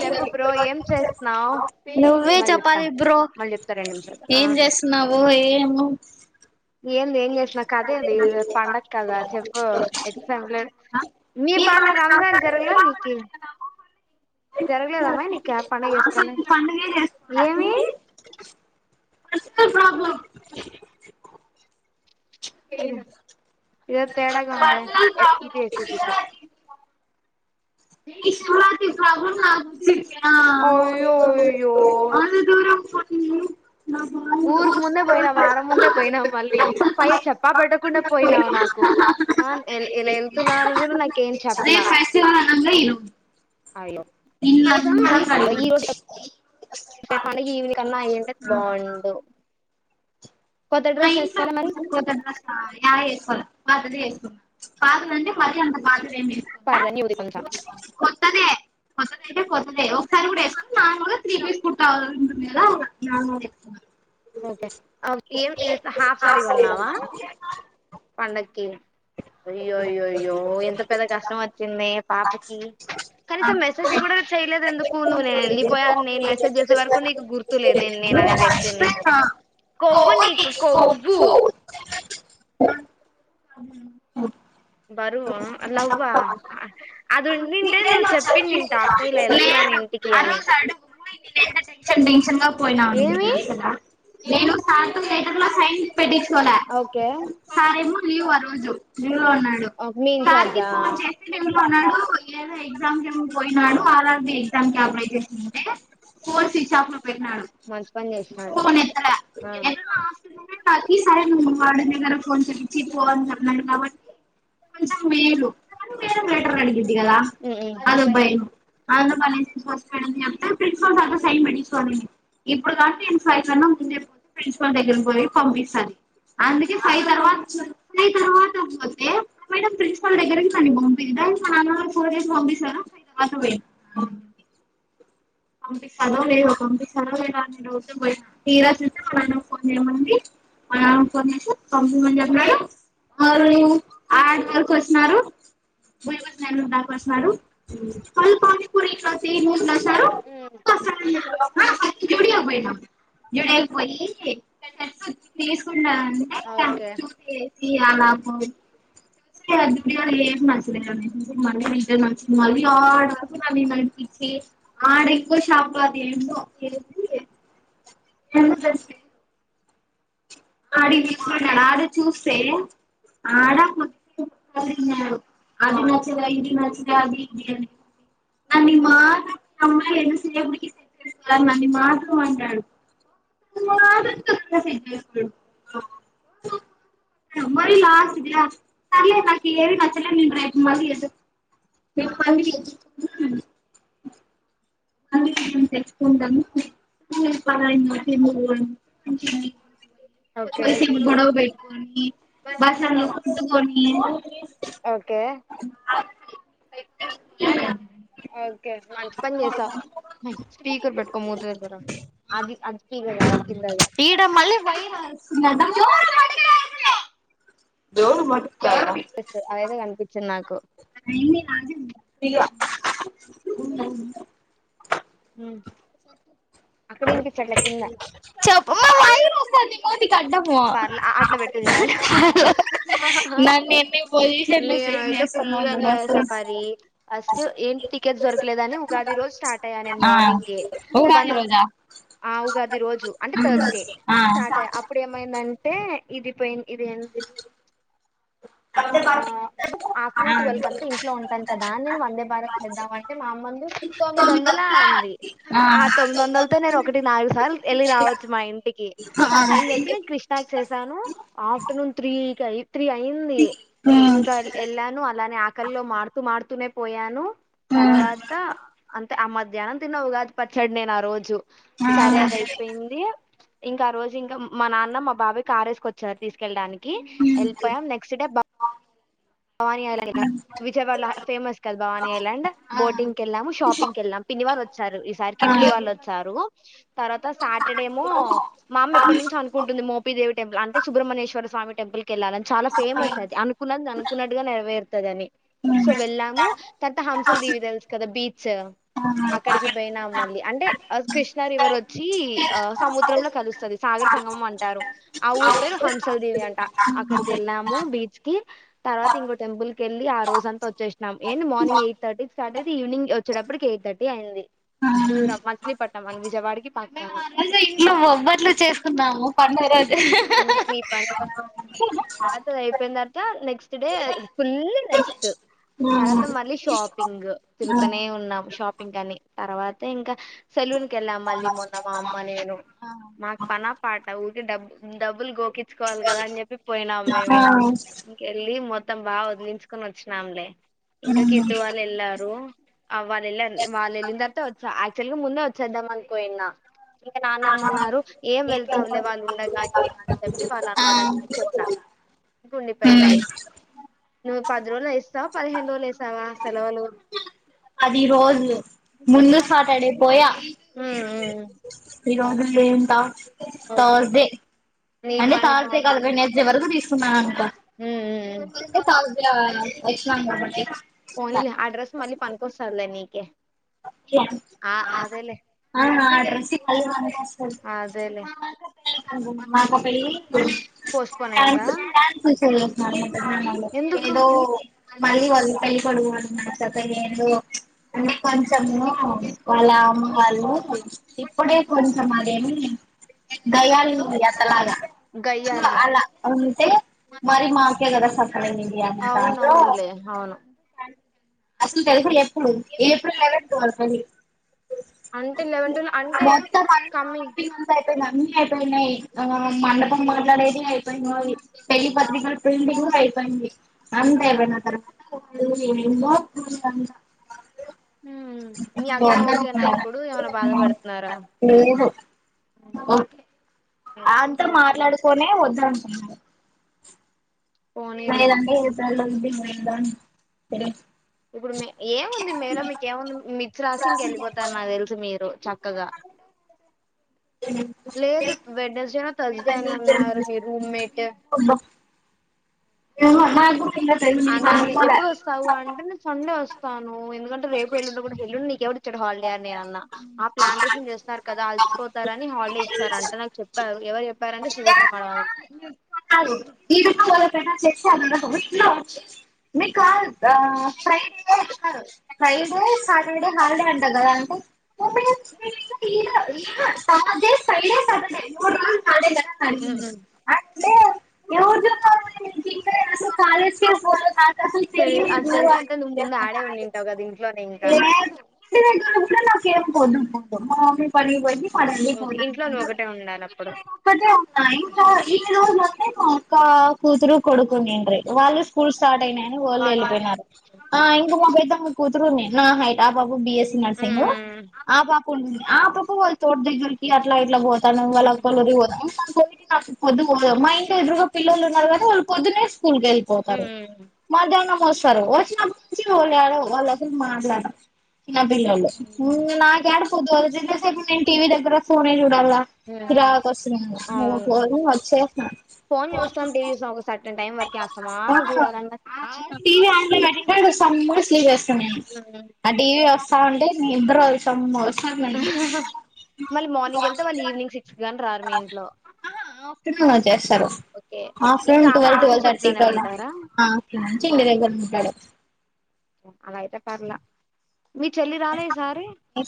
చెప్పు బ్రో ఏం చేస్తున్నావ్ మళ్ళీ చెప్తా మళ్ళీ చెప్తా రెండు నిమిషాలు ఎం చేస్తున్నావో ఏమో ఏంది ఏం చేసిన కథాఎందిఈ రోజు పండగ కదా చెప్పు ఎగ్జామ్ లేదు మీ ఈ పండగ పండుగ రంజాన్ జరగాల మీకి జరగలేద మే నీక ఏం పండగ అసలు చేసుకోలా నేను పండుగే ఏమి చేసుకోలే పర్సనల్ ప్రాబ్లమ్ ఇదేదో తేడాగా ఉందే పర్సనల్ ప్రాబ్లం [unintelligible] ప్రాబ్లెమ్ అయ్యో [unintelligible] అయ్యో అంత దూరం పొ ఉర్ ఇంతకు ముందే పోయినాం వారం ముందే పోయినావ్ మళ్ళీ పైగ చెప్ప పెట్టకుండా పోయినాం నాకు అన్ ఇలా వెళ్తున్నాను అని కూడా నాకేం చెప్పలా రేపు [unintelligible] అయ్యో కనీసం ఇండ్లంతా కడిగా ఈ రోజు రేపు పండగ ఈవినింగ్ అన్న అయ్యింటే బాగుండు కొత్త [unintelligible] డ్రెస్ అయి వేసుకోలే మరి వేసుకొనే పాతదే వేసుకున్న పాతది అంటే మరి అంత పాతది ఏమి ఏసుకోలా పర్లే న్యూది కొంచెం కొత్తదే కొత్తదైతే కొత్తదె ఒకసారి కూడా వేసుకోలా మాములుగా త్రీ పీస్ కుడతా ఎలా [unintelligible] ఓకే ఏం హాఫ్ సారి కొన్నావా పండక్కి అయ్యో య్యోయ్యో ఎంత పెద్ద కష్టం వచ్చింది పాపకి కనీసం మెసేజ్ కూడా చేయలేదు ఎందుకు నువ్వు నేను వెళ్ళిపోయాను నేను మెసేజ్ చేసే వరకు నీకు గుర్తులేదు నేన్ ఆ కొవ్వు నీకు కొవ్వు అదను బరువు అ లవ్వ అది ఉండింటే నువ్ చెప్పిన్నింటావు అక్క ఇలా ఎళ్తున్న ఇంటికి అని [unintelligible] చెక్ పొయినాం అనీ ఏమి [unintelligible] నేను సార్తో లెటర్ లో సైన్ పెట్టించుకోలే ఓకే సార్ ఏమో లీవ్ వ అన్నాడు మీ సార్కి ఇన్ఛార్జా ఫోన్ చేసి ఎందోన్నాడు ఏదో ఎగ్జామ్స్ కి ఏమో పోయినాడు [unintelligible] చేసుంటే ఫోన్ స్వీచ్ అప్ లో పెట్టినాడు మంచి పని చేసినాడు ఫొన్ ఎత్తల ఆ నిను నా హాస్టల్ లొనే [unintelligible] తాక సరే వాడుగర కొంచెం తిని పొ అన్నారు నాకు నవ్వు వచ్చింది మేలు [unintelligible] ఉమ్ అదే భయం ప్రిన్సిపాల్ సార్ తో సైన్ పెట్టించుకొమే ఇప్పుడు కాబట్టి ఇన్ ఫై [unintelligible] కన్నా ముందే పోతే ప్రిన్సిపాల్ దగ్గరకి పోయి పంపిస్తాది అందుకే ఫై తర్వాత చూ అ మేడమ్ ప్రిన్సిపాల్ దగ్గరకి త పంపిందా ఫన్ అవర్ ఫోర్ డేస్ పంపిస్తారు ఫైవ్ అవర్ అ పంపిస్తాడో లేదో పంపిస్తరో లేదో అని డౌట్ తో పోయినా తీరా చూస్తే వాల్లన్నకు ఫోన్ చేయమంది అ ఆరాంన్నా పంపమని చెప్పారు అరూ ఆడ వర్కు ఒచ్చినారు బ దా మారు ఫల్ పపట్ స ఉమ్ జడ అ పోయినా జడ ఎకుపోయి ఓకే తీస్కుంటంటె ఇగ నాకు అగా ఏం నచ్చలే మళ్లీ రిటర్న్ ఒచ్చిన మళ్ళీ ఆడ్ వరకి ఆడ ఇంకో షాప్ల అదే ఏంటో ఏ ఎ ఆడికి తిస్కెల్లినరు ఆడ చూస్తే ఆడ అదినచ్చలె ఇది నచ్చలె అది ఇది అని నన్నీ మాత్ర అమ్మా ఎ చేయ అ నన్నీ మాత్రవం అంట మరిలాస్ట్ లాస్ట్ సర్లే నాక్ ఇఎవి నచ్చలే నేన్ రేప్ మళ్ళీ అ రేప్ మళ్లీ అన్నంచం తెలుచ్చుకుంటాము పరా మాట ఓకే పైస గొడవ బ అ బసంలో కొంట కొన్ని ఎ ఒకె మంచి పని జేసవ్ స్పీకర్పెట్కోమూతి దగ్గరా అద్ అది స్పీకర్ కాదు కిందది ఈడ మళ్ళి వై అరుస్తూ యారు మ అదేదో కనిపించ్చి నాకు [unintelligible] అక్కడ ఇనిపించట్లె కింద కో ని ముతికడ్డము పర్లే అట్లా పెట్టుకు పో నన్న నిన్ని పోయి నేనైతే ఫుల్గా ఎంజాయ్ చేసా పరీ ఫస్ట్ ఏం టికెట్స్ దొరకలేదని ఉగాది రోజ్ స్టార్ట్ అయ్య నేన్ ఆ మార్నింగే బ ఉగాది రోజా ఆవుగాది రోజు అంటే ఉమ్ థర్స్డే ఆ స్టార్ట్ అయ అప్పుడేమైందంటే ఎ ఇది పన్ ఇది ఎంద్ [unintelligible] ఆఫ్టర్నూన్ ట్వెల్వ కట్ల ఇంట్లోంటాన్ కదానీ నేన్ వందే భారత్ కెళ్దాం అంటె మా అమ్మంది తొమ్మిది ఒన్దలా ఆ తొమ్మిది ఒన్దలతో నేను ఒకటి నాలుగు సార్లు ఎ ఎళ్ళి రావోచ్చు మా ఇంటికి సరే అని చెప్పి నె న్ కృష్ణా కి చేసాను ఆఫ్టర్నూన్ త్రీకి అయి త్రీ అయింది ఇంకా ఎళ్ళాను అలానే ఆకల్లో మాడుతూ మాడుతూనే పోయాను తర్వాత అంతె ఆ మధ్యాహ్నం తిన్నా ఉగాది పచ్చాదడ్ నేనా రోజు సరే అది ఐపేయింది ఇంక ఆ రోజు ఇంక మా నాన్న మా బాబాయ్ కారేస్కోచ్చారు తీసుకెళ్ళడానికి ఎల్ప్పోయాం నెక్స్ట్ డే బ వానీ ఐలాండ్ విజయవాడలో ఫేమస్ కద్ భవానీ ఐలాండ్ ఆ బోటింగ్కి ఎళ్ళాము షాపింగ్కి ఎళ్ళాము పిన్నివాళ్ళు ఒచ్చారు ఈసారి కిట్లు వాళ్ళు ఆ ఒచ్చారు తర్వాత సాటర్డేమో మామ్మ ఎప్పట్నుం చొ అనుకుంటుంది మోపీదేవి టెంపుల్ంటే సుబ్రహ్మణేశ్వర స్వామి టెంపుల్కి ఎల్లాలని చాలా ఫేమస్ అనుకున్నది అ కున్నట్టుగా నెరవేరుతది అని సో వెళ్ళాము తర్త హంసలు దీవి తెల్సు గదా బీచ్ అక్కడికి పోయినాం మళ్ళీ అంటే కృష్ణ రివర్ ఒచ్చీ ఆ సముద్రంలో కలుస్తది సాగర్ సంగంము అంటారు ఆ ఊరి పేరు హంసల్ దీవి అంట అక్కడికి ఎళ్ళాము బీచ్ కి తర్వాత ఇంకో టెంపుల్కెళ్ళి ఆ రోజంతా ఒచ్చేనాం ఏంది మార్నింగ్ ఎయిట్ థర్ ట్ ఐతె ఈవినింగ్ ఒచ్చేటప్పటికి ఎయి థర్టీ ఐంది దూరం మచిలీపట్నం విజయవాడకి పక్కన మేము ఆ రోజు ఇంట్లో బొబ్బట్లు చేసుకుందాం పండు గా రోజు సో అయిపోయిన తర్వాత నెక్స్ట్ డే ఫుల్ రెస్ట్ తర్వాత మళ్ళీ షాపింగ్ తిరుగుతూనే ఉన్నాము షాపింగ్ అని తర్వాత ఇంకా సెలూన్కెలం మల్లీ మొన్న మా అమ్మ నేను మాకు పనా పాఠా డబ్ డబ్బులు గోకించుకోవాల్కదా అని చెప్పి పోయినాం మేము ఇంకే వెళ్లి మొత్తం బాగా వదిలించుకొని వచ్చినాంలే ఇంకా కిట్ వాళ్ళు వెళ్ళారు. ఆ వాళ్ళు వెల్లి వాళ్ళు వెళ్ళిన తర్వాత వచ్చా చ్చేలాగా ముందే వచ్చేదామని పోయిన ఇంక నాన్నమ్మన్నారు ఏం వెళ్తావులే వాళ్ళు ఉండగా ఇంకా అని చెప్పి వాళ్ళు అన్నారని నేను పోయిన ఉండిపోయిన నువ్వు పది రోజులు ఎస్తావా పదిహేను రోజులు వేసావా సెలవులు. పది రోజు ముందు సటడే పోయా ఉమ్ ఉమ్ ఈ రోజు డే ఎంత ఇస్మానక నీ పని బాగుంది ఉమ్ ఉమ్ [unintelligible] పోనీలే అడ్రస్ మళ్ళీ పనికొస్తాదిలే నికే ఆ డ్రెస్ మల్లీ పనికోస్తాది. అదేలే మాకో పెళ్లి పోస్ట్పోన్ [unintelligible] అయిందా మల్లీ ఎందుకు ఏదో మళ్ళీ వాళ్ళు పెళ్ళి కొడుకు వాళ్ళు ఉన్నారు [inaudible] అంటే కొంచెము వాళ్ళ అమ్మ వాళ్లు ఇప్పుడే కొంచెం అదేమి గయ్యాళి ఉంది అత్త లాగా ఇప్పుడే గయ్యాలి అలా అంటే మరి మాకే కాదా సాఫ్ అవునవునులే అవును [unintelligible] అసలు తెలుసా చెప్పు ఏప్రిల్ లెవెంత్ గా పెళ్లి అంటే లేవేంతున్నా అంటే కమింగ్ యి అన్ని ఐపోయినాయి. ఆ మండపం మాట్లాడేది అయిపోయినాయి పెళ్లి పత్రికలు ప్రింటింగ్ అయిపోయింది అంత అయిపోయినతరువాత వాళ్ళ వీళ్ళు [unintelligible] మ్మ్ మీ అక్క ఓకేనా ఇప్పుడు ఏమైనా బాధపడుతున్నారా లేదు ఓకే అంతా ఓకే మాట్లాడుకునే వాదంటున్నాను పోనీలే [inaudible] ఇప్పుడు మే ఏముంది మేల మీకు ఏముంది మీథ్ రాసి ఇంకెళ్ళిపోతారు నాకు తెలుసి మీరు చక్ క్కగా అ లేదు వెన్స్ డే తస్స్ డే అని అన్నారు మీ రూమ్మేట్ అ ఏమో నాకు కూడా ఇంకా తెలీదు నేను అనింది కనుక్కోలే ఎప్పుడు వస్తావు అంటే నేను సండే వస్తాను ఎందుకంటే రేపు ఎల్లుండి కూడా ఎల్లుండి నీకెవ చ్చుడు హాలిడే అని అన్నా ఆ ప్లాంటేషన్ చేస్తారు కదా అలసిపోతారని హాలిడే సార్ అంటే నాకు చెప్పారు ఎవరు చెప్పారంటే శిరీష మేడమ్ [unintelligible] మీకు కాద్ ఫ్రైడే కాద్ ఫ్రైడే సాటర్డే హాలిడే అంటా కదా అంటే [unintelligible] థాస్డే ఫ్రైడే స్టాడే ఉమ్మ్ అంటే [inaudible] కాలేజ్ కే పోత అసలు నీకు తెలీదు. అది తెలియదు తెలిసింటే నువ్వు ముందు ఆడే ఉండింటావు కదా ఇంట్లోనే ఇంకా [unintelligible] మా మమ్మీ పనికి పోయిది ఓకే ఇంట్లో నువ్వు [unintelligible] ఒకటే ఉండాలి అప్పుడు ఒకటే ఉందా ఇంకా మా అక్క కూతురు కొడుకు ఉండ్నిరి వాళ్ళు స్కూల్స్ స్టార్ట్ అయినాయని వదిలి వాళ్ళు ఎలిపోయినారు ఆ ఇంకా మా పెద్దమ్మ కూతురు ఉన్ని నా హైట్ ఆ పా బి ఎ స్సీ నర్సింగ్ మ్మ్ ఆ పాపా ఉండింది ఆ పాపా వాళ్ళు చోటు దగ్గరకి అట్లా ఇట్లా పో తను వాళ్ళ [unintelligible] మా ఇంటి ఎదురుగా పిల్లలు ఉన్నారు కదా వాళ్ళు పొద్దునే స్కూల్ కెళ్ళిపోతారు మ్మ్ మధ్యానం తోస్తారు వచ్చినప్పుడు నుంచి [inaudible] వాళ్ళు అసలు మాట్లాడరు చిన్న పిల్లోళ్ళు ఊ నాకేడ పొద్దు [inaudible] నేను టీ వీ దగ్గరే ఫోనే జూ టోలా మ్మ్ చిరాకొస్తుంది అవును [inaudible] ఫోన్ చూస్తాం టీవీ చూస్తాం ఒక సర్టన్ టైం వరకేస్తాం ఆ అను చూడాల సమ్మర్ స్లీప్ ఏస్తా నేను ఆ టీ వీ వస్తా ఉంటే నిద్దరొస్తా [inaudible] మళ్ళీ మార్నింగ్ ఎళ్తే మళ్ళీ ఈవినింగ్ సిక్స్ కు గానీ రారు మీ ఇంట్లో ఆహా ఆఫ్టర్నూన్ వచ్చేస్తారు ఓకే ఇంకా ఆఫ్టర్నూన్ టువల్ టువల్ నుంచి ఇంట్లోనే థర్టీకి అలా ఉంటారా [unintelligible] ఐకుంటాది అలా ఐతే పర్లా మీ చెల్లి రాలే ఈసారి [inaudible]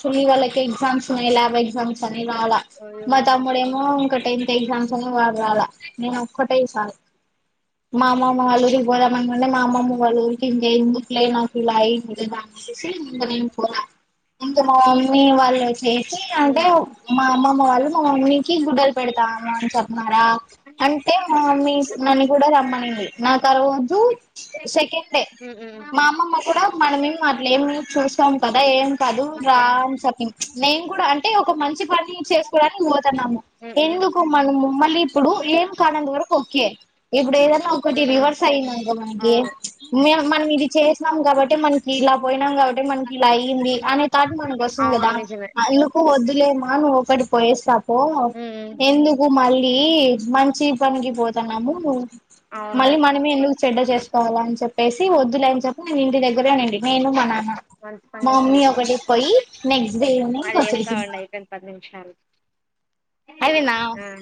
చులీ వాళకి ఎగ్సామ్ టూ ఏ లాబ్ ఎగ్జామ్స్ అని రాలా ఉమ్ మా తమ్ముడేం మో ఇంక టెన్త్ ఎగ్జామ్స్ అని వాడు రాలా నేను ఒక్కటే చాలు మా అమ్మమ్మ వాళ్ళూరికి బోదాం అనుండె మా అమ్మమ్మ వాళ్ళూరికి [unintelligible] శశి ఇంక నేను పోతా ఇంక మా మమ్మీ [inaudible] అంటే మా అమ్మమ్మ వాళ్ళు మా మమ్మీకి గుడ్డలు పెడతాము అని చెప్నారా అంటే మా మమ్మీసు నన్ని గూడా రమ్మ అన్నది నా తర్వూతు సెకండ్ డే ఉమ్ ఉమ్ మా అమ్మమ్మ కూడా మనమేం అట్లేం లేదు చూస్ తాం కదా ఏం కాదు రా ఓకే అని చెప్పింద్ నేను కూడా అంటే ఒక మంచి పని చేసుకోవడానికి పోతా టాము ఉమ్ ఉమ్ ఎందుకు మనము మళ్ళీ ఇప్పుడు ఏం కానంత వరకు ఓకే ఇప్పుడు ఏదన్నా ఆ ఒక్కటి ఉమ్ ఉమ్ రివర్స్ అయ్యిందనుకో మనకి అవును మే మనం ఇది చేసినాం కాబట్టే మన్ ఇలా పోయినాం కాబట్టే మనకి ఇలా అయ్యింది అనే తాట్ మనకు వస్తుంది కదా అవును నిజమే ఇందుకు వద్దు లే మా నువ్ ఒక్కటి పోయేసి రా పో ఉమ్ ఉమ్, ఎందుకు మళ్ టీ మంచి పనికి పోతాన్నాము అవును రా మళ్ళీ మనమే ఎందుకు చెడ్డ చేస్ తో అని చెప్పసి వద్దులే అని చెప్పి నేను ఇంటి దగ్గిరేనేండి నేను మా నాన్న మంచి పని మా మమ్మీ చేసావ్ ఒకటి పొయ్యి నెక్స్ట్ డే ఈవెనింగ్ మళ్ళీ చేస్తా కొచ్చేసింది ఉండు అయిపోయింది పది నిమిషాలు అవి నావ్ ఆ